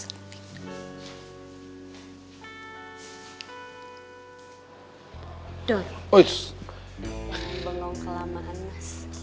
kamu bengong kelamahan mas